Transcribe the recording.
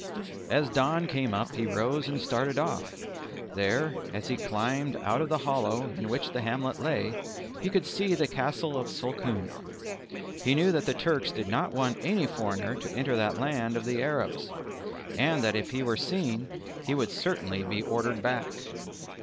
As dawn came up he rose and started off: there (as he climbed out of the hollow in which the hamlet lay) he could see the Castle Sulkhund. He knew that the Turks did not want any foreigner to enter that land of the Arabs, and that if he were seen, he would certainly be ordered back.